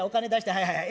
はいはい。